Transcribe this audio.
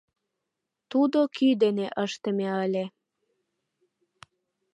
Тудо кӱ дене ыштыме ыле.